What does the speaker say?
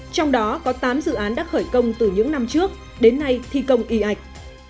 trong đó có tám dự án đã khởi công từ những năm trước đến nay thi công y ạch